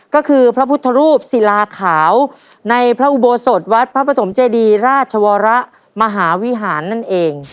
ก็คือพระพุทธรูปศิลาขาวในพระอุโบสถวัดพระปฐมเจดีราชวรมหาวิหารนั่นเอง